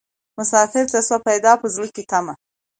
مسافر ته سوه پیدا په زړه کي تمه